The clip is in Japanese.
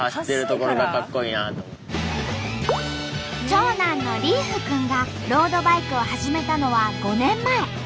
長男の琉楓くんがロードバイクを始めたのは５年前。